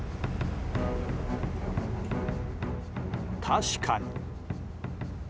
確かに。